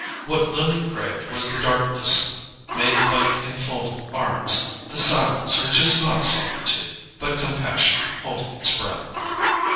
What Lily craved was the darkness made by enfolding arms, the silence which is not solitude, but compassion holding its breath.